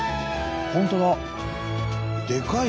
本当だ。